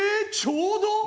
ちょうど！